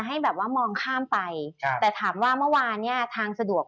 พี่หนิงครับส่วนตอนนี้เนี่ยนักลงทุนอยากจะลงทุนแล้วนะครับเพราะว่าระยะสั้นรู้สึกว่าทางสะดวกนะครับ